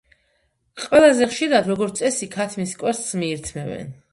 ყველაზე ხშირად როგორც წესი ქათმის კვერცხს მიირთმევენ.